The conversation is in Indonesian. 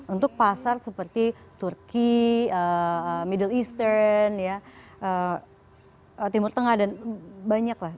untuk pasar seperti turki middle eastern timur tengah dan banyak lah